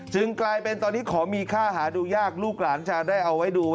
กลายเป็นตอนนี้ของมีค่าหาดูยากลูกหลานจะได้เอาไว้ดู